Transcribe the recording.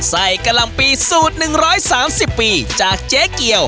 ใส่กะล่ามปีสูตรหนึ่งร้อยสามสิบปีจากเจ๊เกี่ยว